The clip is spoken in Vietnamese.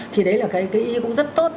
thì đấy là cái ý cũng rất tốt